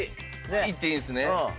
いっていいんですね？